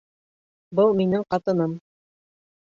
Был минең ҡатыным